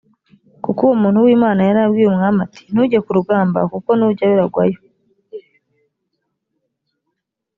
kuko uwo muntu w’imana yari abwiye umwami ati: ntujye ku rugamba kuko nujyayo uragwayo